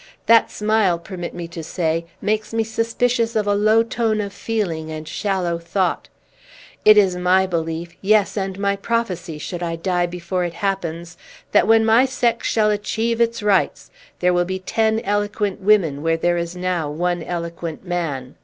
"That smile, permit me to say, makes me suspicious of a low tone of feeling and shallow thought. It is my belief yes, and my prophecy, should I die before it happens that, when my sex shall achieve its rights, there will be ten eloquent women where there is now one eloquent man.